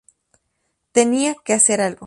Tenía que hacer algo.